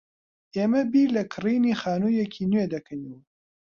ئێمە بیر لە کڕینی خانوویەکی نوێ دەکەینەوە.